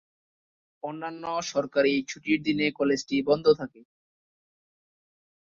অন্যান্য সরকারী ছুটির দিনে কলেজটি বন্ধ থাকে।